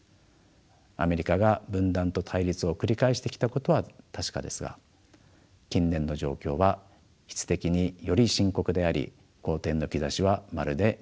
アメリカが分断と対立を繰り返してきたことは確かですが近年の状況は質的により深刻であり好転の兆しはまるで見えません。